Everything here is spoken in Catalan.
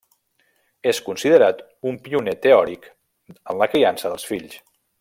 És considerat un pioner teòric en la criança dels fills.